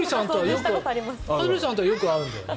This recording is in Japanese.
羽鳥さんとはよく会うんだよね。